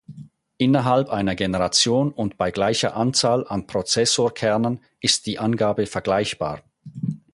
Innerhalb einer Generation und bei gleicher Anzahl an Prozessorkernen ist die Angabe vergleichbar.